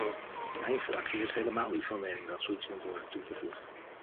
Mijn fractie is helemaal niet van mening dat zoiets moet worden toegevoegd.